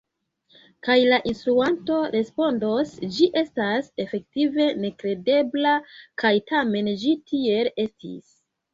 Kaj la instruanto respondos: « ĝi estas efektive nekredebla, kaj tamen ĝi tiel estis!